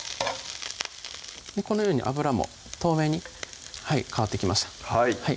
このように油も透明に変わってきました